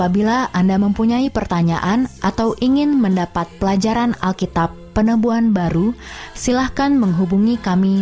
biarkan yang lain dengan jalannya